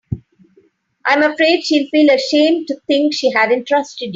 I'm afraid she'd feel ashamed to think she hadn't trusted you.